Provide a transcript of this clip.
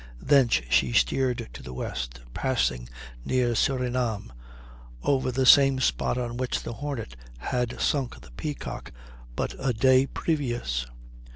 Thence she steered to the west, passing near Surinam, over the same spot on which the Hornet had sunk the Peacock but a day previous.